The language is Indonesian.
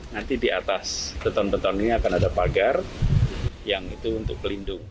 nanti di atas beton beton ini akan ada pagar yang itu untuk pelindung